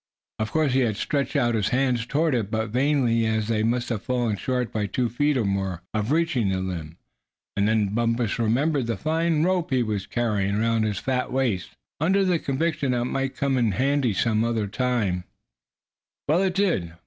Of course he had stretched out his hands toward it, but vainly, as they must have fallen short by two feet or more of reaching the limb. And then Bumpus remembered the fine rope he was carrying around his fat waist, under the conviction that it might come in handy some time or other. Well, it did.